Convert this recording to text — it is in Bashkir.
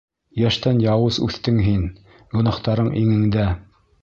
Йәштән яуыз үҫтең һин, Гонаһтарың иңеңдә.